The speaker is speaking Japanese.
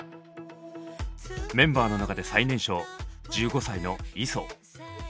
メンバーの中で最年少１５歳のイソ。